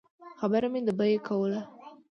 خبره مې د بیې کوله.